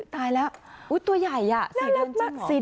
ตายแล้วตัวใหญ่๔เดือนจริง